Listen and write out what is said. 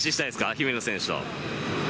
姫野選手と。